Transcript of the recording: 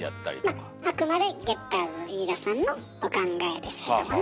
まああくまでゲッターズ飯田さんのお考えですけどもね。